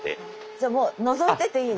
じゃあもうのぞいてていいの？